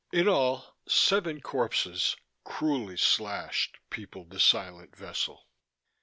In all, seven corpses, cruelly slashed, peopled the silent vessel.